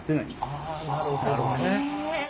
あなるほどね。